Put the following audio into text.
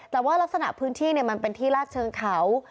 แต่ว่ารักษณะพื้นที่มันเป็นที่ลาดเชิงเขา